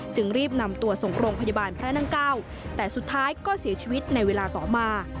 จึงรีบนำตัวส่งโรงพยาบาลพระนั่งเก้าแต่สุดท้ายก็เสียชีวิตในเวลาต่อมา